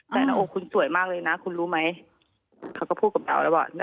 แต่หน้าอกคุณสวยมากเลยนะคุณรู้ไหมเขาก็พูดกับเราแล้วว่า